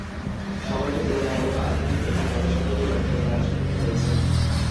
শহরটি তুলনামূলক আধুনিক এবং গত দশকে ব্যাপক উন্নয়ন সাধিত হয়েছে।